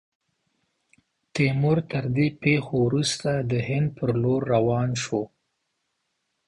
تیمور، تر دې پیښو وروسته، د هند پر لور روان سو.